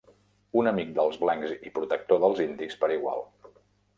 Un amic dels blancs i protector dels indis per igual.